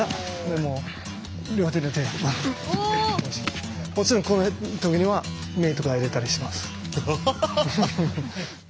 もちろんこういう時には目とか入れたりします。